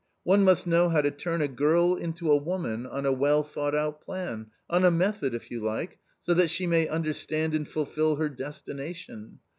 one must know how to turn a girl into a woman on a well thought out plan, on a method, if you like, so that she may understand and fulfil her destination.